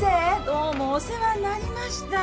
どうもお世話になりました。